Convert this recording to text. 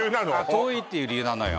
遠いっていう理由なのよ